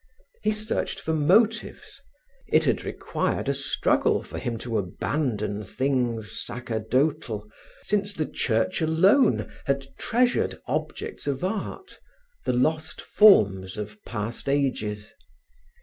He searched for motives; it had required a struggle for him to abandon things sacerdotal, since the Church alone had treasured objects of art the lost forms of past ages.